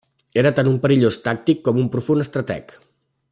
Era tant un perillós tàctic com un profund estrateg.